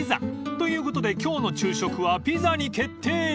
［ということで今日の昼食はピザに決定］